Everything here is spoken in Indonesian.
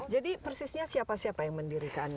jadi persisnya siapa siapa yang mendirikan